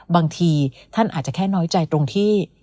บางทีท่านอาจจะแค่น้อยใจตรงที่